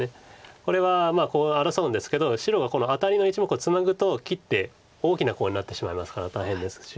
これはコウを争うんですけど白はこのアタリの１目をツナぐと切って大きなコウになってしまいますから大変ですし。